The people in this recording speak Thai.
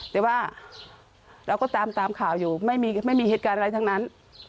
แต่ว่าเราก็ตามข่าวอยู่ไม่มีเหตุการณ์อะไรทั้งนั้น